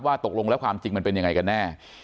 ตกลงแล้วความจริงมันเป็นยังไงกันแน่